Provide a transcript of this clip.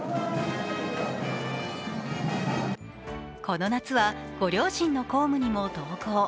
この夏は、ご両親の公務にも同行。